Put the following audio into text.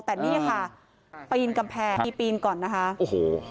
แต่นี่ค่ะปีนกำแพงมีปีนก่อนนะคะโอ้โห